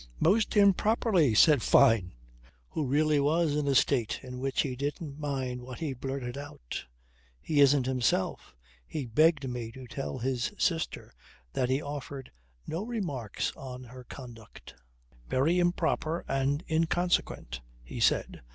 "Most improperly," said Fyne, who really was in a state in which he didn't mind what he blurted out. "He isn't himself. He begged me to tell his sister that he offered no remarks on her conduct. Very improper and inconsequent. He said